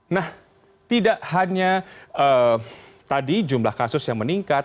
nah tidak hanya tadi jumlah kasus yang meningkat